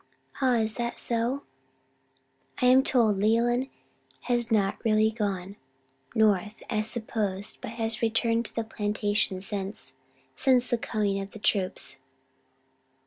"Ah, is that so? I am told Leland has not really gone North, as was supposed, but has returned to the plantation since since the coming of the troops."